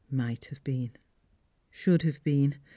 "" Might have been ;" should have been."